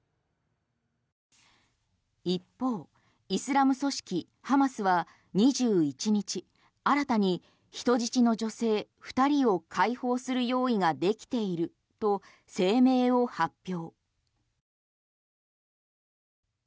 一方イスラム組織ハマスは２１日新たに人質の女性２人を解放する用意ができていると声明を発表。